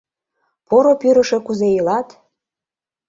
Поро Пӱрышӧ кузе илат...